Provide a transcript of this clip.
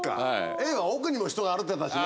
Ａは奥にも人が歩いてたしね。